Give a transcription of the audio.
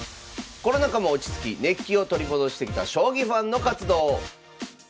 コロナ禍も落ち着き熱気を取り戻してきた将棋ファンの活動。